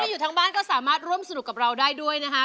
อยู่ทั้งบ้านก็สามารถร่วมสนุกกับเราได้ด้วยนะคะ